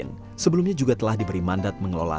bluesmi sebelumnya juga beri mandat mengelola